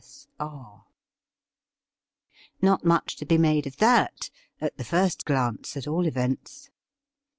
8.R. Not much to be made of that — at the first glance, at all events.